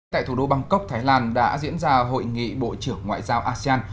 tại thủ đô bangkok thái lan đã diễn ra hội nghị bộ trưởng ngoại giao asean